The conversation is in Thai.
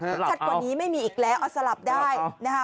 ชัดกว่านี้ไม่มีอีกแล้วเอาสลับได้นะคะ